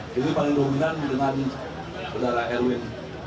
jadi paling lumayan dengan saudara erwin